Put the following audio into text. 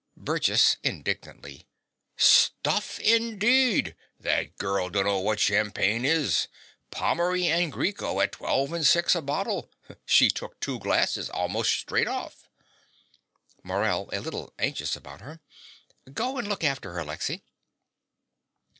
BURGESS (indignantly). Stuff, indeed! That gurl dunno wot champagne is! Pommery and Greeno at twelve and six a bottle. She took two glasses a'most straight hoff. MORELL (a little anxious about her). Go and look after her, Lexy.